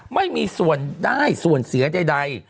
ไม่มีส่วนได้ส่วนเสียใด